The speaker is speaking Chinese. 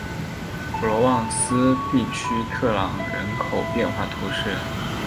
普罗旺斯地区特朗人口变化图示